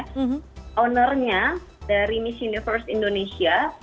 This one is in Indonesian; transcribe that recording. ownernya dari miss universe indonesia